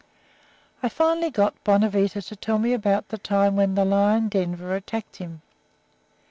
] I finally got Bonavita to tell me about the time when the lion Denver attacked him.